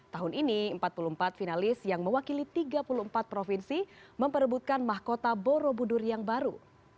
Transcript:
tahun ini empat puluh empat finalis yang mewakili tiga puluh empat provinsi memperebutkan mahkota borobudur yang baru